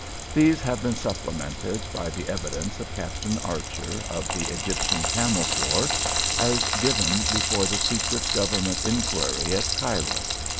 These have been supplemented by the evidence of Captain Archer, of the Egyptian Camel Corps, as given before the secret Government inquiry at Cairo.